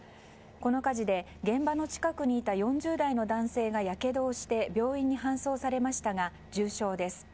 この火事で、現場の近くにいた４０代の男性がやけどをして病院に搬送されましたが重傷です。